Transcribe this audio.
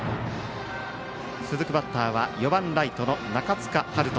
続くバッターは４番ライトの中塚遥翔。